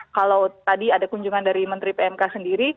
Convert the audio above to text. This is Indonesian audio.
kalau tadi ada kunjungan dari menteri pmk sendiri